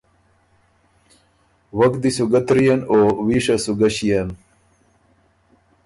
وک دی سو ګۀ ترئېن او ویشه سو ګۀ ݭيېن۔